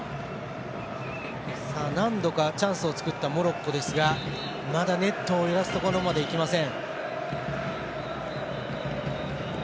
何度かチャンスを作ったモロッコですがまだネットを揺らすところまではいきません。